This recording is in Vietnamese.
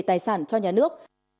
tài sản cho nhà nước